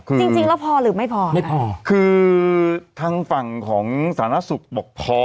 คือจริงจริงแล้วพอหรือไม่พอไม่พอคือทางฝั่งของสาธารณสุขบอกพอ